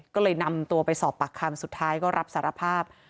ก็เลยนำตัวไปสอบปากคำสุดท้ายก็รับสารภาพ